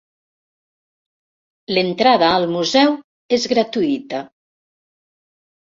L'entrada al museu és gratuïta.